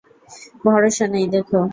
ভরসা নেই, দেখ।